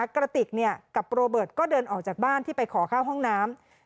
กระติกกับโรเบิร์ตก็เดินออกจากบ้านที่ไปขอเข้าห้องน้ำ